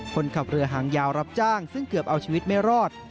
คนขับเรือหางยาวรับจ้างซึ่งเกือบเอาชีวิตไม่รอด